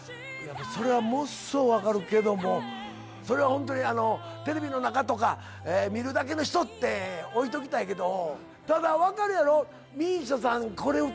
それはものすごいわかるけどもそれはホントにテレビの中とか見るだけの人って置いときたいけどただわかるやろ？